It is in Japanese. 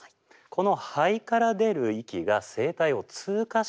この肺から出る息が声帯を通過して鳴っています。